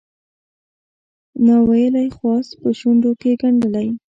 ناویلی خواست په شونډوکې ګنډلی